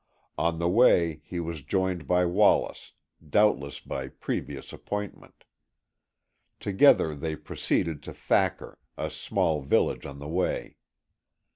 On the way he was joined by Wallace, doubtless by previous appointment. Together they proceeded to Thacker, a small village on the way.